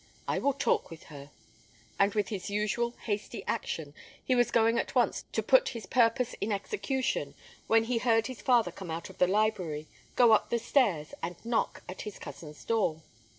I will talk with her;" and with his usual hasty action, he was going at once to put his purpose in execution, when he heard his father come out of the library, go up the stairs, and knock at his cousin's door.